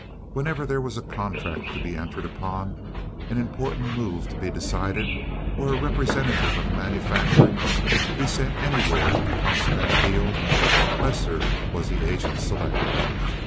Whenever there was a contract to be entered upon, an important move to be decided, or a representative of the manufactory to be sent anywhere to consummate a deal, Lester was the agent selected.